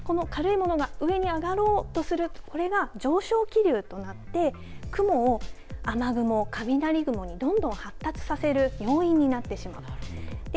この軽いものが上に上がろうとするこれが上昇気流となって雲を、雨雲を雷雲にどんどん発達させる要因になってしまう。